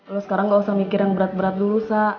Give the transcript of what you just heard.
lo sekarang nggak usah mikir yang berat berat dulu sak